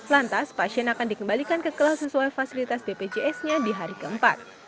lantas pasien akan dikembalikan ke kelas sesuai fasilitas bpjs nya di hari keempat